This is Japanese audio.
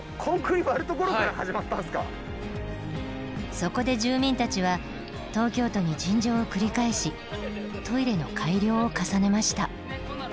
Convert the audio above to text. そこで住民たちは東京都に陳情を繰り返しトイレの改良を重ねました。